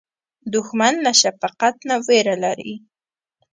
دښمن له شفقت نه وېره لري